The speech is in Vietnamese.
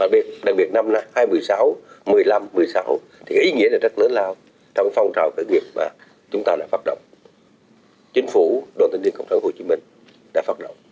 đặc biệt việt nam năm hai nghìn một mươi sáu hai nghìn một mươi năm hai nghìn một mươi sáu ý nghĩa rất lớn lao trong phong trào khởi nghiệp mà chúng ta đã phát động